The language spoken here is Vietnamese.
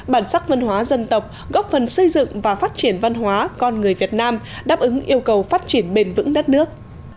bản sắc văn hóa dân tộc góp phần xây dựng và phát triển văn hóa con người việt nam đáp ứng yêu cầu phát triển bền vững đất nước